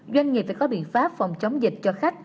doanh nghiệp phải có biện pháp phòng chống dịch cho khách